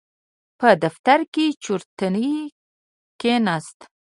په دفتر کې چورتي کېناست.